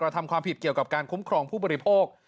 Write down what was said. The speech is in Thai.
ทำความผิดเกี่ยวกับการคุ้มครองผู้บริโภค